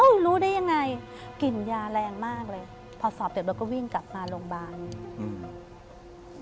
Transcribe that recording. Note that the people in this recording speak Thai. รู้ได้ยังไงกลิ่นยาแรงมากเลยพอสอบเสร็จเราก็วิ่งกลับมาโรงพยาบาลอืม